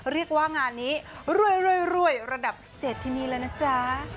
เรียกว่างานนี้รวยระดับเศรษฐินีเลยนะจ๊ะ